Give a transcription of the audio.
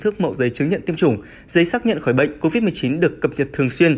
thức mẫu giấy chứng nhận tiêm chủng giấy xác nhận khỏi bệnh covid một mươi chín được cập nhật thường